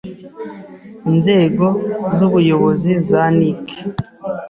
INZEGO Z’UBUYOBOZI ZA NIC